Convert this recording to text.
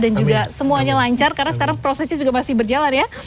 dan juga semuanya lancar karena sekarang prosesnya juga masih berjalan ya